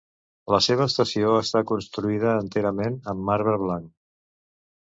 La seva estació està construïda enterament en marbre blanc.